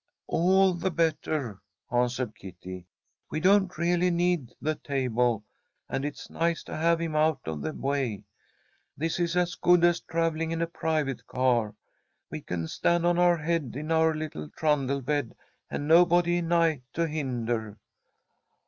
"All the better," answered Kitty. "We don't really need the table, and it's nice to have him out of the way. This is as good as travelling in a private car. We can 'stand on our head in our little trundle bed, and nobody nigh to hinder.'